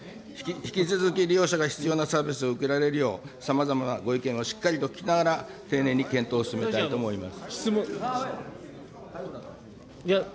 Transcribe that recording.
引き続き利用者が必要なサービスを受けられるよう、さまざまなご意見をしっかりと聞きながら、丁寧に検討を進めたいと思います。